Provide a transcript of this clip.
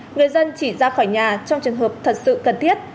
người dân chỉ ra khỏi nhà trong trường hợp thật sự cần thiết